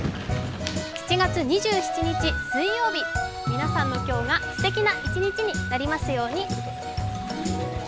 ７月２７日水曜日皆さんの今日がすてきな一日になりますように。